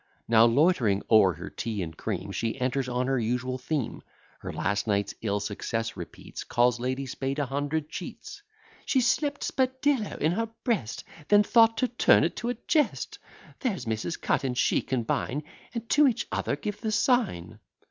Now, loitering o'er her tea and cream, She enters on her usual theme; Her last night's ill success repeats, Calls Lady Spade a hundred cheats: "She slipt spadillo in her breast, Then thought to turn it to a jest: There's Mrs. Cut and she combine, And to each other give the sign."